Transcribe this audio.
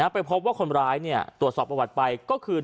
ไปพบว่าคนร้ายตรวจสอบประวัติไปก็คือ